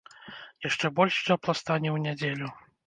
Яшчэ больш цёпла стане ў нядзелю.